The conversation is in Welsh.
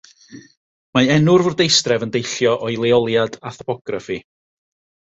Mae enw'r fwrdeistref yn deillio o'i leoliad a thopograffi.